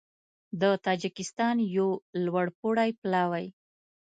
د تاجېکستان یو لوړپوړی پلاوی